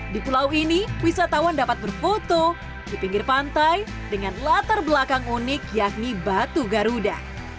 di pulau ini wisatawan dapat berfoto di pinggir pantai dengan latar belakang unik yakni batu garuda